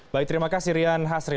baik terima kasih rian hasri